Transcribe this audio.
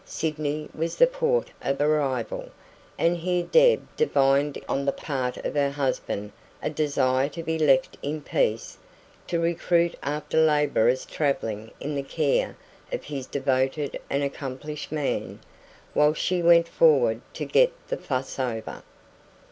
Sydney was the port of arrival, and here Deb divined on the part of her husband a desire to be left in peace to recruit after laborious travelling in the care of his devoted and accomplished man while she went forward to "get the fuss over".